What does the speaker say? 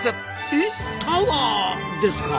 えっタワーですか！？